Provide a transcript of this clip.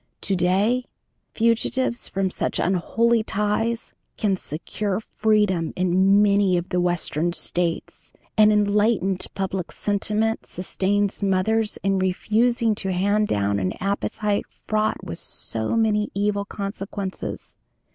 To day fugitives from such unholy ties can secure freedom in many of the Western States, and enlightened public sentiment sustains mothers in refusing to hand down an appetite fraught with so many evil consequences.